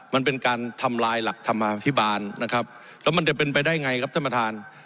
มันเป็นการทำลายหลักธรรมาภิบาลนะครับแล้วมันจะเป็นไปได้ไงครับท่านประธาน